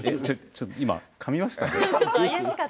ちょっとかみましたね。